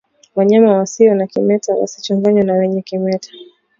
Wanyama wasio na kimeta wasichanganwe na wenye kimeta